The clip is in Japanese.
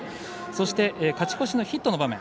そして、勝ち越しのヒットの場面。